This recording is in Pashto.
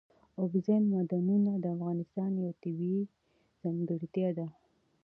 اوبزین معدنونه د افغانستان یوه طبیعي ځانګړتیا ده.